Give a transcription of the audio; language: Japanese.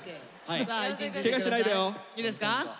いいですか。